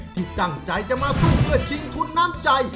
ที่ตั้งใจจะมาสู้เพื่อชิงทุนน้ำใจ